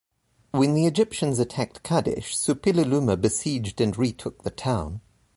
When the Egyptians attacked Kadesh, Suppililiuma besieged and retook the town.